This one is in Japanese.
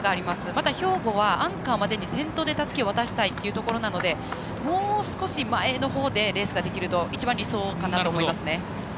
また兵庫はアンカーまでに先頭でたすきを渡したいところなのでもう少し前のほうでレースができれば一番理想かなと思いますね。